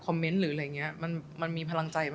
คอมเมนต์หรืออะไรอย่างนี้